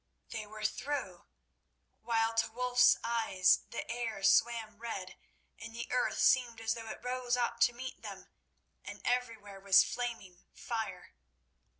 they were through! while to Wulf's eyes the air swam red, and the earth seemed as though it rose up to meet them, and everywhere was flaming fire.